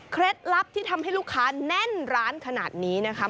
ลับที่ทำให้ลูกค้าแน่นร้านขนาดนี้นะคะ